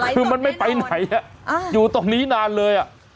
คือมันไม่ไปไหนอยู่ตรงนี้นานเลย